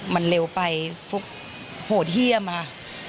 มันเลวไปฟุ๊กโหดเฮียมา